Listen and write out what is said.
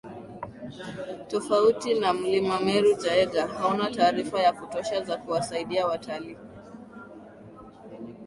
Tofauti na Mlima Meru Jaeger hauna taarifa za kutosha za kuwasaidia watalii